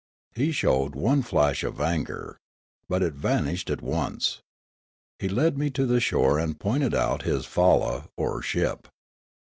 He showed one flash of anger. But it vanished at once. He led me to the shore and pointed out his falla or ship.